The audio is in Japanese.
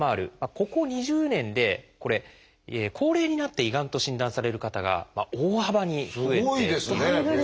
ここ２０年で高齢になって胃がんと診断される方が大幅に増えているんです。